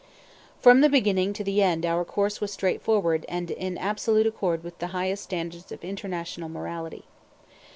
From the beginning to the end our course was straightforward and in absolute accord with the highest of standards of international morality.